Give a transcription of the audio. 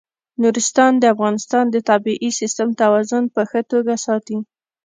نورستان د افغانستان د طبعي سیسټم توازن په ښه توګه ساتي.